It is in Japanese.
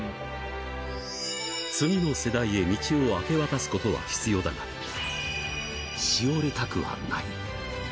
次の世代へ道を明け渡すことは必要だが、萎れたくはない。